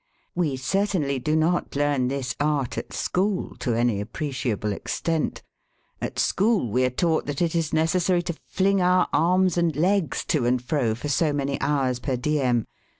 We certainly do not learn this art at school to any appreciable extent. At school we are taught that it is necessary to fling our arms and legs to and fro for so many hours per diem.